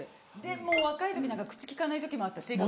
もう若い時なんか口きかない時もあったし。